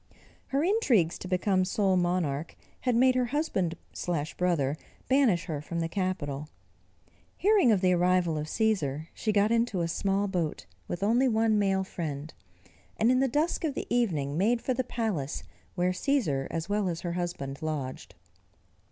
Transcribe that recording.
Her intrigues to become sole monarch, had made her husband brother banish her from the capital. Hearing of the arrival of Cæsar, she got into a small boat, with only one male friend, and in the dusk of the evening made for the palace where Cæsar as well as her husband lodged.